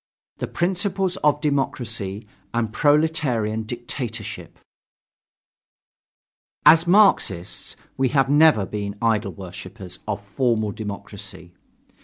THE PRINCIPLES OF DEMOCRACY AND PROLETARIAN DICTATORSHIP As Marxists, we have never been idol worshippers of formal democracy.